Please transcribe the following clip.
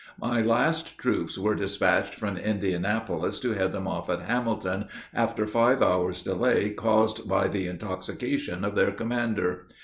My last troops were despatched from Indianapolis to head them off at Hamilton, after five hours' delay caused by the intoxication of their commander.